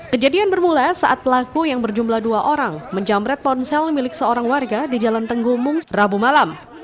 kejadian bermula saat pelaku yang berjumlah dua orang menjamret ponsel milik seorang warga di jalan tenggumung rabu malam